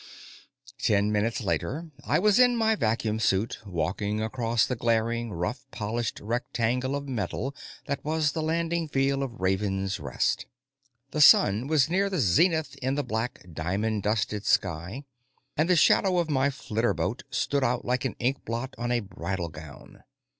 Ten minutes later, I was in my vacuum suit, walking across the glaring, rough polished rectangle of metal that was the landing field of Raven's Rest. The sun was near the zenith in the black, diamond dusted sky, and the shadow of my flitterboat stood out like an inkblot on a bridal gown.